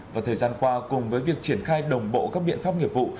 và thời gian qua cùng với việc triển khai đồng bộ các biện pháp nghiệp vụ